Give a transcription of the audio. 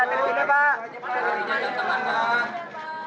pak detik ini pak